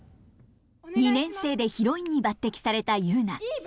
２年生でヒロインに抜てきされたユウナ。